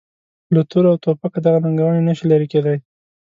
له توره او توپکه دغه ننګونې نه شي لرې کېدای.